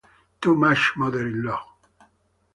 Too Much Mother-in-Law